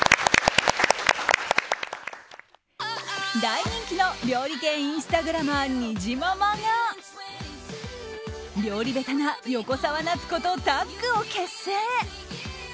大人気の料理系インスタグラマーにじままが料理下手な横澤夏子とタッグを結成。